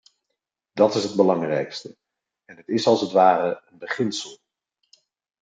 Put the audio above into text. Dat is het belangrijkste, en het is als het ware een beginsel.